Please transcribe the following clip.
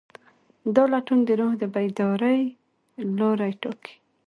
دا لټون د روح د بیدارۍ لوری ټاکي.